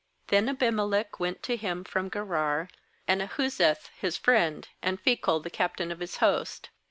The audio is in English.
^Then Abimelech went to him from Gerar, and Ahuzzath. his friend, and Phicol the captain of his host.